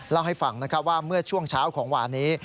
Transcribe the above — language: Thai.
เล่าให้ฟังนะครับว่าเมื่อช่วงเช้าของหวานนี้